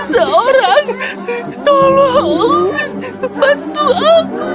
seseorang tolong bantu aku